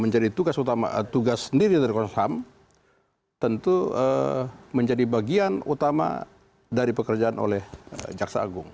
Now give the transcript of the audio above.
menjadi tugas utama tugas sendiri dari komnas ham tentu menjadi bagian utama dari pekerjaan oleh jaksa agung